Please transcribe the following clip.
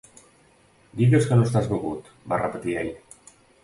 "Digues que no estàs begut", va repetir ell.